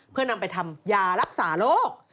เพื่อนำไปทำยารักษาโรค